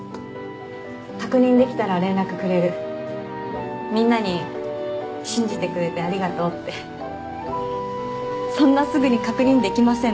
確認できたら連絡くれるみんなに「信じてくれてありがとう」って「そんなすぐに確認できません」